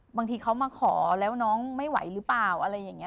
บางทีเขามาขอแล้วน้องไม่ไหวหรือเปล่าอะไรอย่างนี้